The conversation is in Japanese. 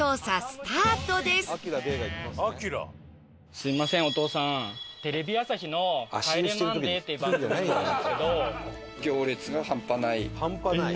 すみませんお父さんテレビ朝日の『帰れマンデー』っていう番組なんですけど。